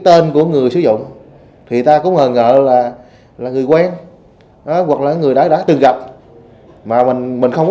tên một người sử dụng thì ta cũng ngờ là người quen hoặc là người đã từng gặp mà mình mình không có